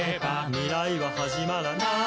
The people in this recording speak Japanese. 「未来ははじまらない」